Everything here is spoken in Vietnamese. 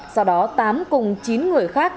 sau đó tám cùng chín người khác